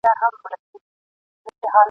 که زور په بازو نه لري زر په ترازو نه لري ..